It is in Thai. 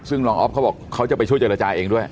ซึ่งรองอ๊อฟเขาบอกเขาจะไปช่วยเจรจาเองด้วย